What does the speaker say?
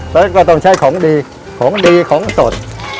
แต่ก็ต้องใช้ของดีของดีของสด